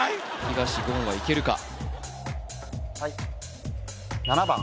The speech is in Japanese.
東言はいけるか？